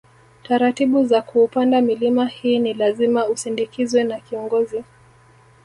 Taratibu za kuupanda milima hii ni lazima usindikizwe na kiongozi